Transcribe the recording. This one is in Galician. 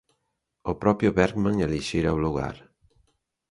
O propio Bergman elixira o lugar.